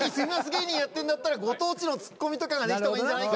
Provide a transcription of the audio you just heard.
芸人やってんだったらご当地のツッコミとかができた方がいいんじゃないか。